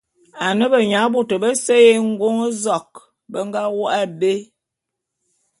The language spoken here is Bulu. Ane benyabôtô bese y'Engôn-zok be nga wôk abé.